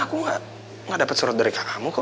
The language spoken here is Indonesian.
aku gak dapet surat dari kak kamu kok